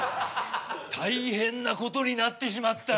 大変なことになってしまった。